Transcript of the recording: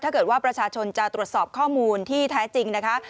ถ้าเกิดว่าประชาชนจะตรวจสอบข้อมูลที่แท้จริงนะคะ